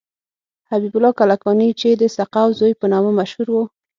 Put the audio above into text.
حبیب الله کلکانی چې د سقاو زوی په نامه مشهور و.